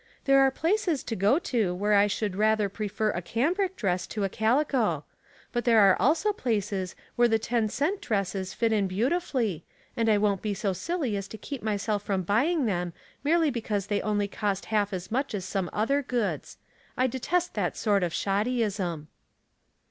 There are places to go to where I should rather prefer a cambric dress to a calico ; but there are also places where the ten cent dresses fit in beautifully, and I won't be so silly as to keep myself from buying them merely because they only cost half as much as some other goods. I detest that sort of shod dyism."